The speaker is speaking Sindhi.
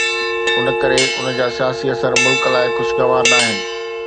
ان ڪري ان جا سياسي اثر ملڪ لاءِ خوشگوار ناهن.